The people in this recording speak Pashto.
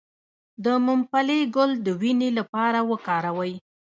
د ممپلی ګل د وینې لپاره وکاروئ